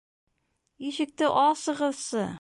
Ишекте асығыҙсы!